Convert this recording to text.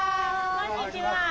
こんにちは。